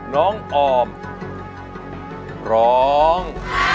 น้องออมร้อง